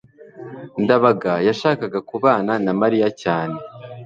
ndabaga yashakaga kubana na mariya cyane